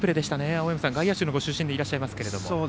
青山さん、外野手のご出身でいらっしゃいますけれども。